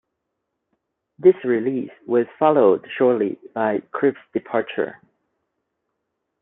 This release was followed shortly by Crypt's departure.